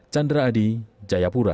chandra adi jayapura